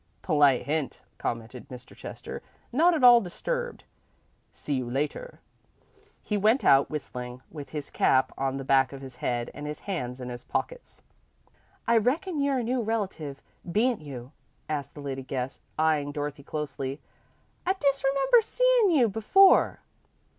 "Polite hint," commented Mr. Chester, not at all disturbed. "See you later." He went out, whistling, with his cap on the back of his head and his hands in his pockets. "I reckon you're a new relative, be n't you?" asked the lady guest, eyeing Dorothy closely. "I disremember seein' you before."